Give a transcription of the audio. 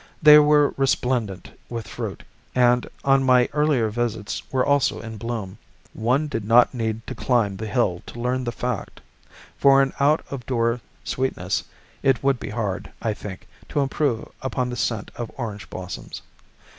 They were resplendent with fruit, and on my earlier visits were also in bloom. One did not need to climb the hill to learn the fact. For an out of door sweetness it would be hard, I think, to improve upon the scent of orange blossoms.